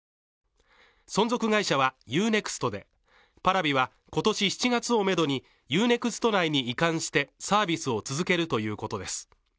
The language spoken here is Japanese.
存続会社はＵ−ＮＥＸＴでＰａｒａｖｉは今年７月をめどにＵ−ＮＥＸＴ内に移管してサービスを続けるということです。